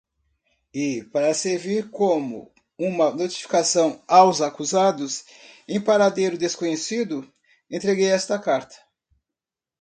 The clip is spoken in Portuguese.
E, para servir como uma notificação aos acusados, em paradeiro desconhecido, entreguei esta carta.